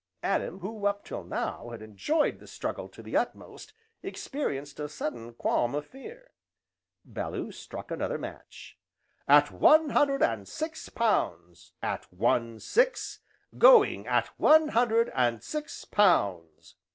Adam who, up till now, had enjoyed the struggle to the utmost, experienced a sudden qualm of fear. Bellew struck another match. "At one hundred and six pounds! at one six, going at one hundred and six pounds